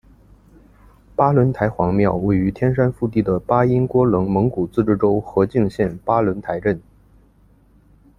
巴仑台黄庙位于天山腹地的巴音郭楞蒙古自治州和静县巴仑台镇。